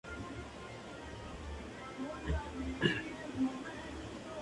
Esta organiza la selección de fútbol de Seychelles.